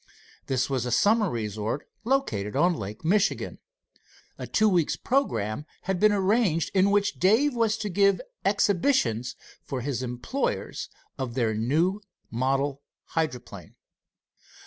This was a summer resort located on Lake Michigan. A two weeks' programme had been arranged, in which Dave was to give exhibitions for his employers of their new model hydroplane.